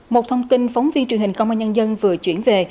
một thông tin phóng viên truyền hình công an nhân dân vừa chuyển về